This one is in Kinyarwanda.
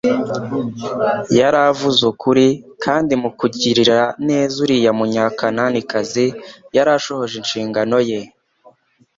yari avuze ukuri, kandi mu kugirira neza uriya munyakananikazi yari ashohoje inshingano ye.